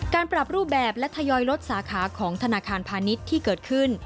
การปรับรูปแบบและทยอยลดสาขาของธนาคารพาณิชย์ที่เกิดขึ้น